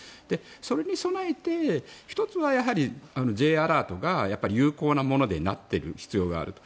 それに備えて１つは、Ｊアラートが有効なものになっている必要がある。